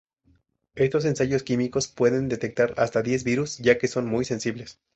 Estos ensayos químicos pueden detectar hasta diez virus, ya que son muy sensibles.